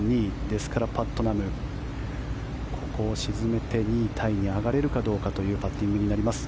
ですから、パットナムここを沈めて２位タイに上がれるかどうかというパッティングになります。